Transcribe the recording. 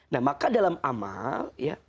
nah maka dalam amal